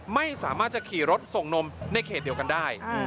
ไม่สามารถจะขี่รถส่งนมในเขตเดียวกันได้